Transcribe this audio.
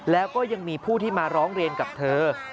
แล้วก็ยังมีผู้ที่มาร้องเรียนกับเธอ